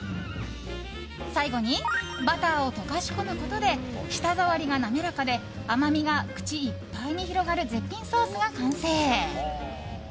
最後にバターを溶かし込むことで舌触りが滑らかで甘みが口いっぱいに広がる絶品ソースが完成。